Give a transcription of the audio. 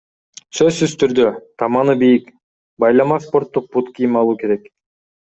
Сөзсүз түрдө — таманы бийик, байлама спорттук бут кийим алуу керек.